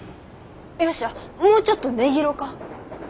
よっしゃもうちょっと値切ろか。